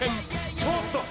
ちょっと！